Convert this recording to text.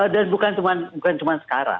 dan bukan cuma sekarang